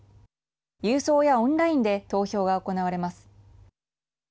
郵送やオンラインで投票が行われます。